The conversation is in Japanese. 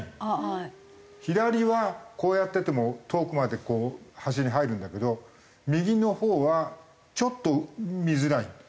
左はこうやってても遠くまで端に入るんだけど右のほうはちょっと見づらいの。